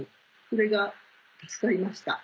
それが助かりました。